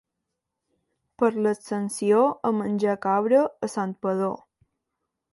Per l'Ascensió, a menjar cabra a Santpedor.